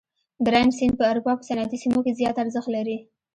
د راین سیند په اروپا په صنعتي سیمو کې زیات ارزښت لري.